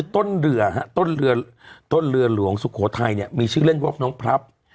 ต้นเรือหลวงสุโขทัยมีชื่อเล่นวัคค์น้องพัพ